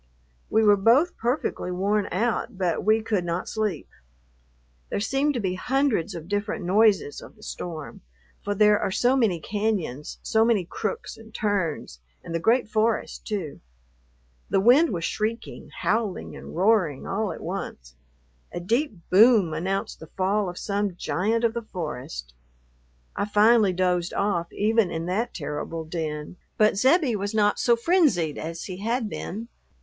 We were both perfectly worn out, but we could not sleep. There seemed to be hundreds of different noises of the storm, for there are so many cañons, so many crooks and turns, and the great forest too. The wind was shrieking, howling, and roaring all at once. A deep boom announced the fall of some giant of the forest. I finally dozed off even in that terrible din, but Zebbie was not so frenzied as he had been.